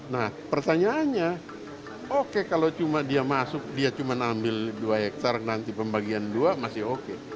nah pertanyaannya oke kalau cuma dia masuk dia cuma ambil dua hektare nanti pembagian dua masih oke